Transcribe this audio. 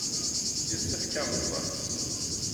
Yessefk ad neẓẓel.